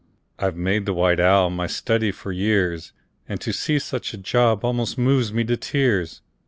I've made the white owl my study for years, And to see such a job almost moves me to tears!